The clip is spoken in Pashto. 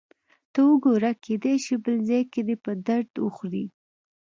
ته وګوره، کېدای شي بل ځای کې دې په درد وخوري.